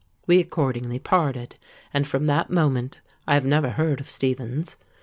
We accordingly parted; and from that moment I have never heard of Stephens.